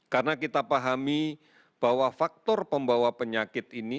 karena kita pahami bahwa faktor pembawa penyakit ini